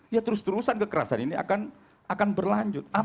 ya terus terusan kekerasan ini akan berubah menjadi keamanan yang sama